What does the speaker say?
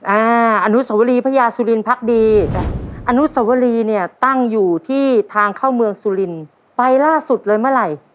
อนุสวรีพระยาสุรินพักดีจ้ะอนุสวรีเนี่ยตั้งอยู่ที่ทางเข้าเมืองสุรินไปล่าสุดเลยเมื่อไหร่